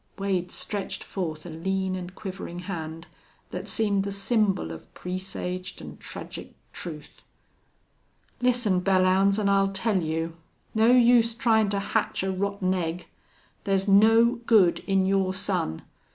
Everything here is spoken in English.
Wade stretched forth a lean and quivering hand that seemed the symbol of presaged and tragic truth. "Listen, Belllounds, an' I'll tell you.... No use tryin' to hatch a rotten egg! There's no good in your son.